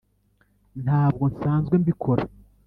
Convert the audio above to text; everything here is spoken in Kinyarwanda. ntabwo nsanzwe mbikora